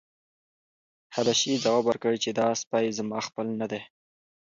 حبشي ځواب ورکړ چې دا سپی زما خپل نه دی.